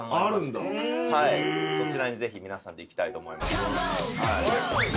そちらにぜひ皆さんで行きたいと思います。